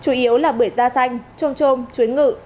chủ yếu là bưởi da xanh trôm trôm chuối ngự